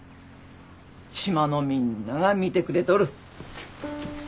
島のみんなが見てくれとる。